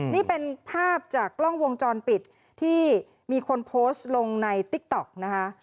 นี่เป็นภาพจากกล้องวงจรปิดที่มีคนโพสต์ลงในติ๊กต๊อกนะคะ